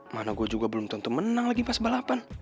mana gue juga belum tentu menang lagi pas balapan